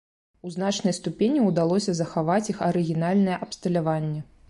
У значнай ступені ўдалося захаваць іх арыгінальнае абсталяванне.